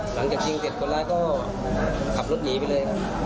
หลังจากชิงเสร็จคนร้ายก็ขับรถหนีไปเลยครับ